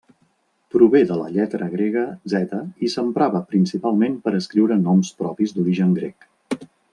Prové de la lletra grega theta, i s'emprava principalment per escriure noms propis d'origen grec.